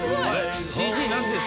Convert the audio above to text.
ＣＧなしですよ。